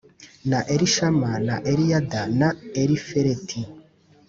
na Elishama na Eliyada na Elifeleti.